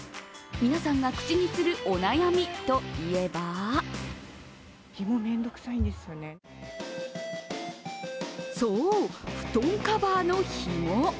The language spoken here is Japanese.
皆さんが口にする、お悩みといえばそう、布団カバーのひも。